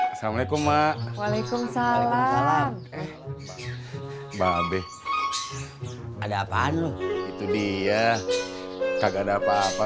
assalamualaikum mak waalaikumsalam mbak be ada apaan lu itu dia kagak ada apa apa